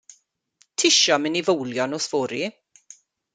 Tisio mynd i fowlio nos fory?